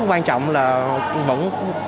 quan trọng là vẫn